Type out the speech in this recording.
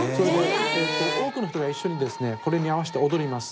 多くの人が一緒にこれに合わせて踊ります。